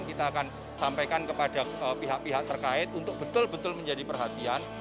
kita akan sampaikan kepada pihak pihak terkait untuk betul betul menjadi perhatian